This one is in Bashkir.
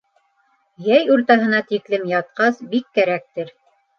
Йәй уртаһына тиклем ятҡас, бик кәрәктер.